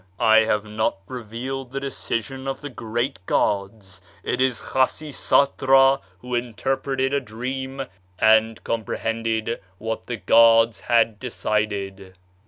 I have not revealed the decision of the great gods; it is Khasisatra who interpreted a dream and comprehended what the gods had decided."